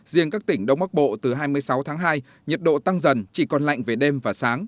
riêng các tỉnh đông bắc bộ từ hai mươi sáu tháng hai nhiệt độ tăng dần chỉ còn lạnh về đêm và sáng